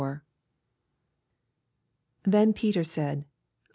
28 Then Peter said.